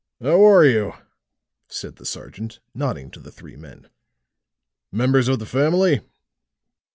"How are you?" said the sergeant, nodding to the three men. "Members of the family?"